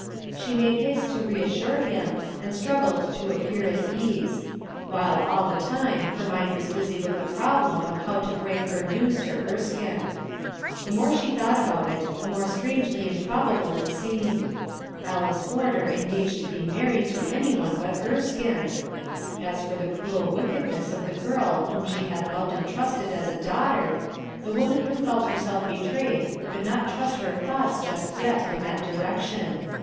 She made haste to reassure him, and struggled to appear at ease ; while all the time her mind was busy with the problem "MOTHERS ARE QUEER r 80 of how to break her news to Erskine. The more she thought about it, the more strangely improbable it seemed. Alice Warder engaged to be married to any one but Erskine! As'for the cruel wickedness of the girl whom she had loved and trusted as a daughter, the woman who felt herself betrayed could not trust her thoughts just yet in that direction.